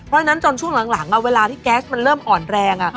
เพราะฉะนั้นจนช่วงหลังเวลาที่แก๊สมันเริ่มอ่อนแรง